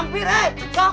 enggak makasih idan